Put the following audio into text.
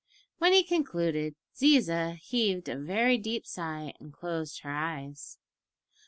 When he concluded, Ziza heaved a very deep sigh and closed her eyes.